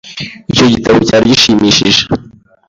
Icyo gitabo cyari gishimishije .